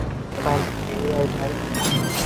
Surge, বেরিয়ে আয় ভাই!